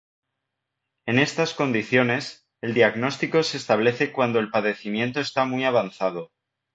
En estas condiciones, el diagnóstico se establece cuando el padecimiento está muy avanzado.